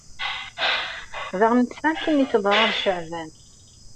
Daɣ netta akken i teḍra d Caɛban.